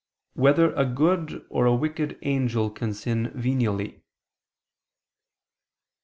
4] Whether a Good or a Wicked Angel Can Sin Venially?